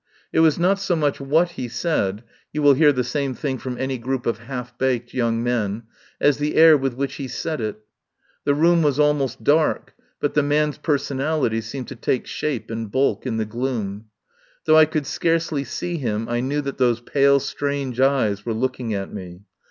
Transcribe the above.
It was not so much what he said — you will hear the same thing from any group of half baked young men — as the air with which he said it. The room was almost dark, but the man's personality seemed to take shape and bulk in the gloom. Though I could scarcely see him, I knew that those pale strange eyes were looking at me.